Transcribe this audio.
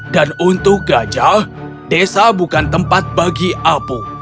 dan untuk gajah desa bukan tempat bagi apu